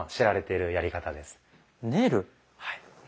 はい。